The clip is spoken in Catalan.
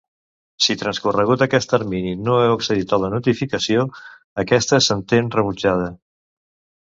Si transcorregut aquest termini no heu accedit a la notificació, aquesta s'entén rebutjada.